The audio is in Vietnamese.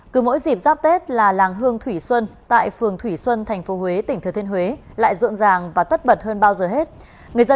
cứ mỗi dịp giáp tết là làng hương thủy xuân tại phường thủy xuân tp huế tỉnh thừa thiên huế